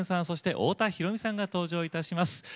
そして太田裕美さんが登場いたします。